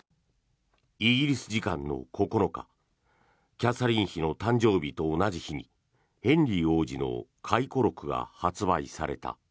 イギリス時間の９日キャサリン妃の誕生日と同じ日にヘンリー王子の回顧録が発売された。